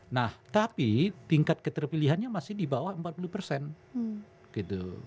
nah tapi tingkat keterpilihannya masih di bawah empat puluh persen gitu